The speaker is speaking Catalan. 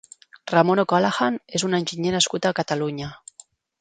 Ramon O'Callaghan és un enginyer nascut a Catalunya.